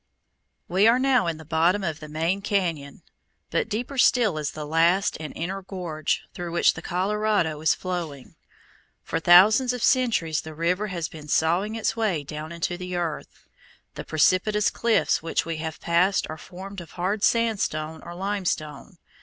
We are now in the bottom of the main cañon, but deeper still is the last and inner gorge, through which the Colorado is flowing. For thousands of centuries the river has been sawing its way down into the earth. The precipitous cliffs which we have passed are formed of hard sandstone or limestone.